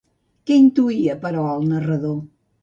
Què intuïa, però, el narrador?